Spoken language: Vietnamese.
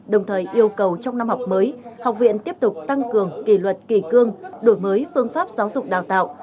đồng thời yêu cầu trong năm học mới học viện tiếp tục tăng cường kỷ luật kỳ cương đổi mới phương pháp giáo dục đào tạo